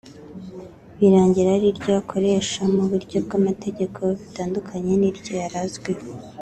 birangira ari ryo akoresha mu buryo bw’amategeko bitandukanye n’iryo yari azwiho